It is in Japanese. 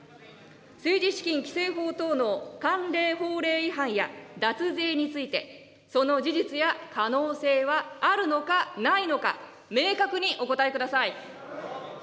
政治資金規正法等の関連法令違反や脱税について、その事実や可能性はあるのかないのか、明確にお答えください。